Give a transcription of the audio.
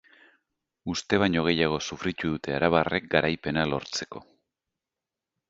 Uste baino gehiago sufritu dute arabarrek garaipena lortzeko.